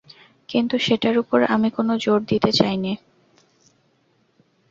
কিন্তু সেটার উপর আমি কোনো জোর দিতে চাই নে।